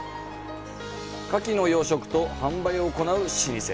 カキの養殖と販売を行う老舗。